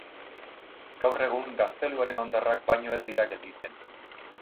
Gaur egun gazteluaren hondarrak baino ez dira gelditzen.